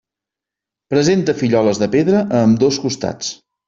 Presenta filloles de pedra a ambdós costats.